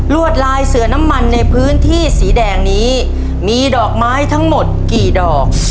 วดลายเสือน้ำมันในพื้นที่สีแดงนี้มีดอกไม้ทั้งหมดกี่ดอก